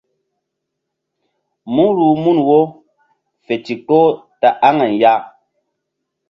Mú ruh mun wo fe ndikpoh ta aŋay ya.